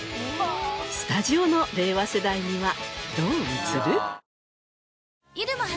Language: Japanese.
スタジオの令和世代にはどう映る？